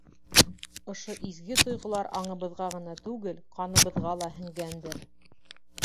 Ошо изге тойғолар аңыбыҙға ғына түгел, ҡаныбыҙға ла һеңгәндер.